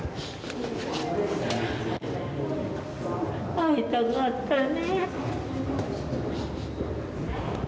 会いたかったね。